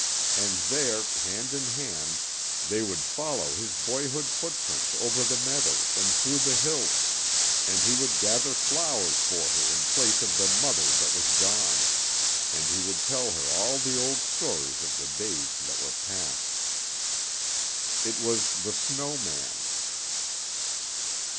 And there, hand in hand, they would follow his boyhood footprints over the meadows and through the hills, and he would gather flowers for her in place of the mother that was gone, and he would tell her all the old stories of the days that were passed. It was the snow man!